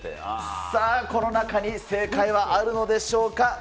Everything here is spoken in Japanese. さあ、この中に正解はあるのでしょうか。